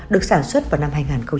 được sản xuất vào năm hai nghìn một mươi